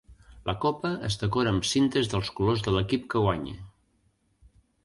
La copa es decora amb cintes dels colors de l'equip que guanya.